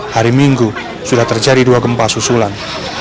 hari minggu sudah terjadi dua gempa susulan